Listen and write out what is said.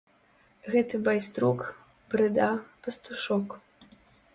Гэты байструк, брыда, пастушок!